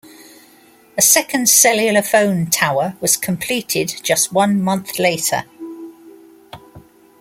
A second cellular phone tower was completed just one month later.